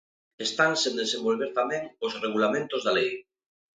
Están sen desenvolver tamén os regulamentos da lei.